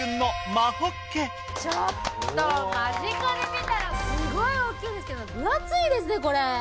間近で見たらすごい大きいんですけど分厚いですねこれ。